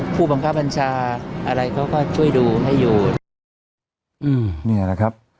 ผู้บังคับบัญชาอะไรเขาก็ช่วยดูให้อยู่อืมเนี่ยนะครับ